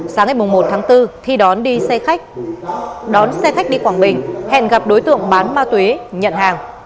sáng ngày một tháng bốn khi đón đi xe khách đón xe khách đi quảng bình hẹn gặp đối tượng bán ma túy nhận hàng